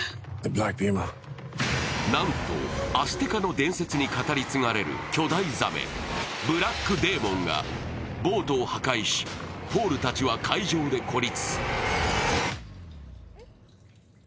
なんと、アステカの伝説に語り継がれる巨大ザメ、ブラック・デーモンがボートを破壊し、ポールたちは海上で孤立。